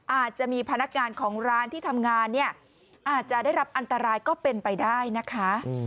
อาจจะมีพนักงานของร้านที่ทำงานเนี่ยอาจจะได้รับอันตรายก็เป็นไปได้นะคะ